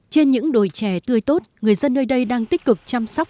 trên những đồi chè tươi tốt người dân nơi đây đang tích cực chăm sóc